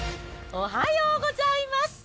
おはようございます。